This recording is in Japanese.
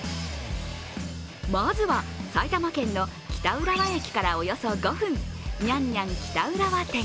まずは埼玉県の北浦和駅からおよそ５分、娘々北浦和店。